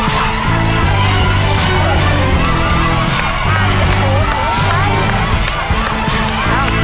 สองเส้นสามเส้นไปเลยป้าใช่